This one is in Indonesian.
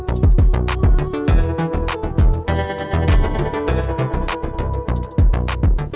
ini selamat siang siang